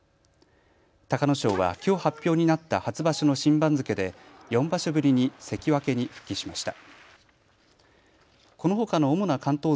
隆の勝はきょう発表になった初場所の新番付で４場所ぶりに関脇に復帰しました。